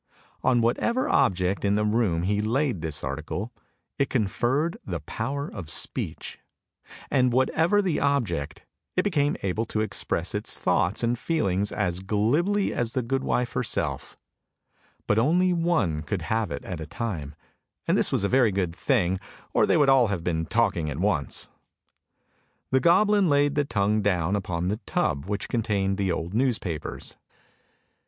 On whatever object in the room he laid this article, it conferred the power of speech, and whatever the object, it became able to express its thoughts and feelings as glibly as the goodwife herself. But only one could have it at a time, and this was a very good thing or they would all have been talking at once. The goblin laid the tongue down upon the tub which con tained the old newspapers.